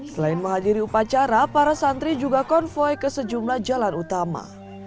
selain menghadiri upacara para santri juga konvoy ke sejumlah jalan utama